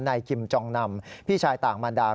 คิมจองนำพี่ชายต่างมันดา